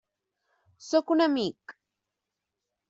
Sóc un amic.